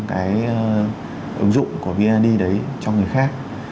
cái ứng dụng của vnid đấy cho người khác